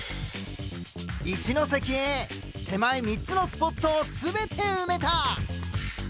一関Ａ手前３つのスポットを全て埋めた！